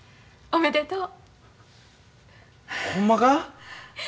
おめでとう。